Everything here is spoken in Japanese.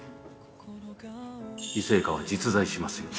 異性化は実在しますよ